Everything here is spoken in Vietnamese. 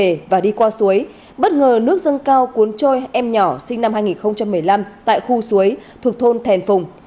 trên đường và đi qua suối bất ngờ nước dâng cao cuốn trôi em nhỏ sinh năm hai nghìn một mươi năm tại khu suối thuộc thôn thèn phùng